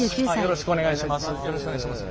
よろしくお願いします。